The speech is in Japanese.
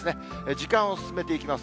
時間を進めていきます。